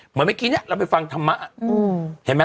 เหมือนเมื่อกี้เนี่ยเราไปฟังธรรมะ